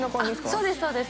そうです。